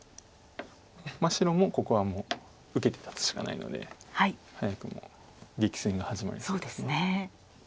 白もここは受けて立つしかないので早くも激戦が始まりそうです。